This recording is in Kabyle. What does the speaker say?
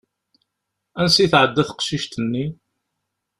Ansa i tɛedda teqcicit-nni?